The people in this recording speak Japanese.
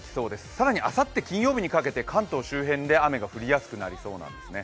更にあさって金曜日にかけて関東周辺で雨が降りやすくなりそうなんですね。